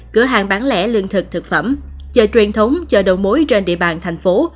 cửa hàng bán lẻ lương thực thực phẩm chợ truyền thống chợ đầu mối trên địa bàn thành phố